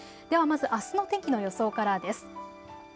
ではまずあすの天気の予想からです。